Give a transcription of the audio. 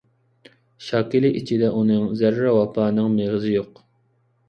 شاكىلى ئىچىدە ئۇنىڭ زەررە ۋاپانىڭ مېغىزى يوق.